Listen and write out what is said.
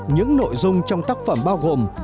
những nội dung trong tác phẩm bao gồm